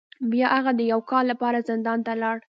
بیا هغه د یو کال لپاره زندان ته لاړ.